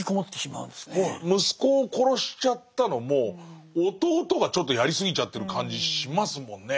息子を殺しちゃったのも弟がちょっとやりすぎちゃってる感じしますもんね。